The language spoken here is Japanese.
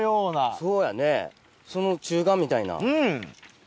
そうやねその中間みたいな。